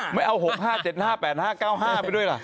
ไม่เอา๖๕๗๕๘๕๙๕ไปด้วยล่ะ